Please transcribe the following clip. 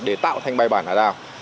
để tạo thành bài bàn ả đào